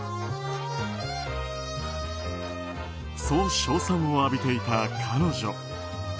そう称賛を浴びていた彼女。